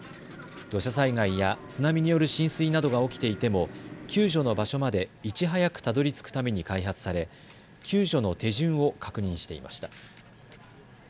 土砂災害や津波による浸水などが起きていても救助の場所までいち早くたどりつくために開発され救助の手順を確認していました。